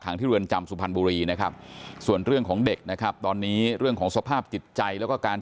ที่เรือนจำสุพรรณบุรีนะครับส่วนเรื่องของเด็กนะครับตอนนี้เรื่องของสภาพจิตใจแล้วก็การ